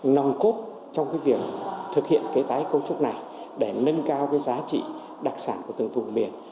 nòng cốt trong việc thực hiện tái cấu trúc này để nâng cao giá trị đặc sản của từng vùng biển